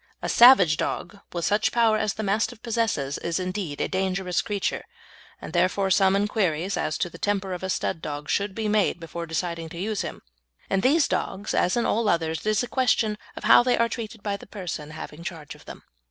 A savage dog with such power as the Mastiff possesses is indeed a dangerous creature, and, therefore, some inquiries as to the temper of a stud dog should be made before deciding to use him. In these dogs, as in all others, it is a question of how they are treated by the person having charge of them.